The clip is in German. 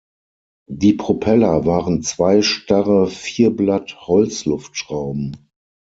Die Propeller waren zwei starre Vierblatt-Holzluftschrauben.